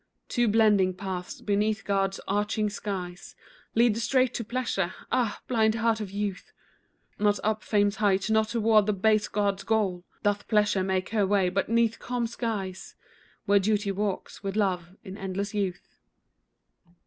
Two blending paths beneath God's arching skies Lead straight to Pleasure. Ah! blind heart of youth, Not up fame's height, not toward the base god's goal, Doth Pleasure make her way, but 'neath calm skies Where Duty walks with Love in endless youth."